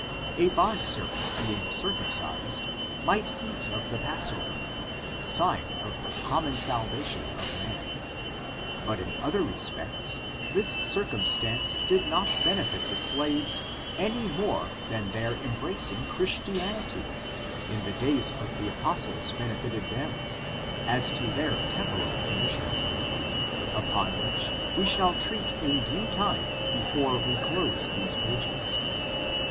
A bond servant being circumcised, might eat of the pass« over, the sign of the common salvation of man ; but in other respects this circumstance did not benefit the slaves any more than their embracing Christian ity in the days of the apostles benefited them, as to their temporal condition ; upon which we shall treat in due time before we close these pages.